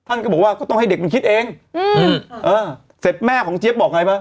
ก็บอกว่าก็ต้องให้เด็กมันคิดเองอืมเออเสร็จแม่ของเจี๊ยบบอกไงบ้าง